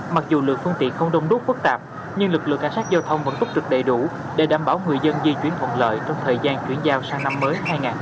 mặc dù lượng phương tiện không đông đúc phức tạp nhưng lực lượng cảnh sát giao thông vẫn túc trực đầy đủ để đảm bảo người dân di chuyển thuận lợi trong thời gian chuyển giao sang năm mới hai nghìn hai mươi